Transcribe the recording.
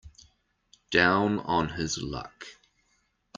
Down on his luck.